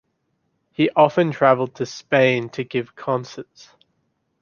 He often travelled to Spain to give concerts.